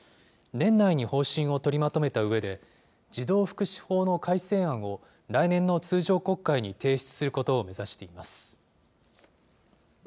年内に方針を取りまとめたうえで、児童福祉法の改正案を来年の通常国会に提出することを目指しています。